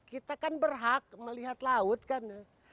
kita kan berhak melihat laut kan